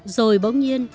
rồi bỗng nhiên